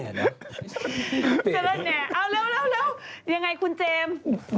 สละแหน่เอาเร็วยังไงคุณเจมส์